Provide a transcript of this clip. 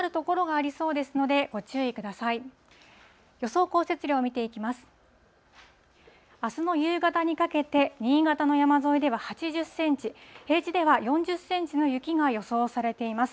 あすの夕方にかけて新潟の山沿いでは８０センチ、平地では４０センチの雪が予想されています。